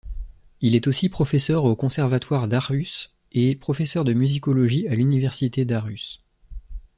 Il est aussi professeur au conservatoire d'Aarhus et professeur de musicologie à l'université d'Aarhus.